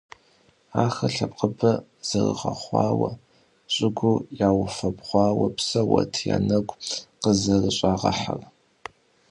Ахэр лъэпкъыбэ зэрыгъэхъуауэ, щӀыгур яуфэбгъуауэ псэууэт я нэгу къызэрыщӀагъэхьэр.